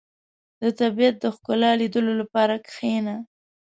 • د طبیعت د ښکلا لیدلو لپاره کښېنه.